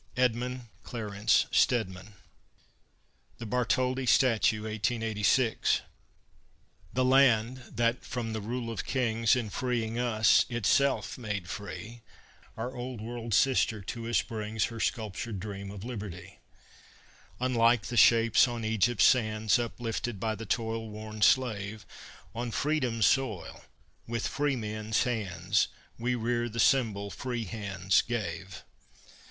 EDMUND CLARENCE STEDMAN. THE BARTHOLDI STATUE 1886 The land, that, from the rule of kings, In freeing us, itself made free, Our Old World Sister, to us brings Her sculptured Dream of Liberty: Unlike the shapes on Egypt's sands Uplifted by the toil worn slave, On Freedom's soil with freemen's hands We rear the symbol free hands gave.